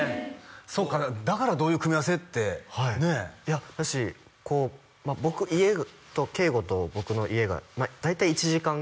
そっかだからどういう組み合わせっていやだし僕家と圭悟と僕の家が大体１時間くらいなんです